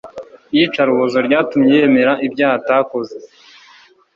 iyicarubozo ryatumye yemera ibyaha atakoze